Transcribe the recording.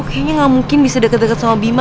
kayaknya gak mungkin bisa deket deket sama bima